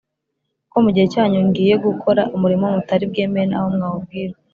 kuko mu gihe cyanyu ngiye gukora umurimo mutari bwemere naho mwawubwirwa